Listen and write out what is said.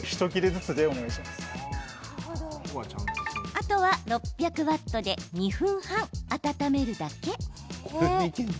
あとは、６００ワットで２分半温めるだけ。